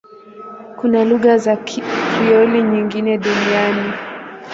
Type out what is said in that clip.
Kuna lugha za Krioli nyingi duniani.